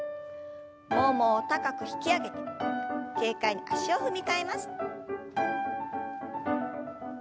ももを高く引き上げ軽快に足を踏み替えます。